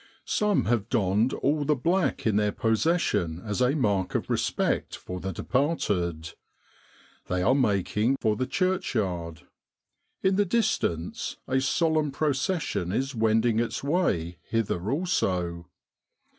Some have donned all the black in their possession as a mark of respect for the departed. They are making for the church yard. In the distance a solemn procession is wending its way hither also.